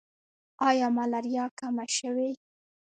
آیا ملاریا کمه شوې؟